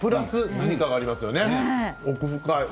何かがありますよね、奥深い。